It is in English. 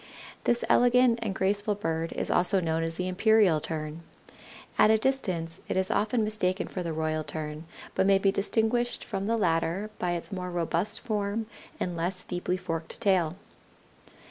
This elegant and graceful bird is also known as the Imperial Tern. At a distance it is often mistaken for the Royal Tern, but may be distinguished from the latter by its more robust form and less deeply forked tail.